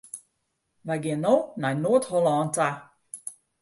Wy gean no nei Noard-Hollân ta.